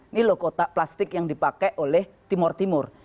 ini loh kotak plastik yang dipakai oleh timur timur